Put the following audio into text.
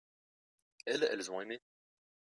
elles, elles ont aimé.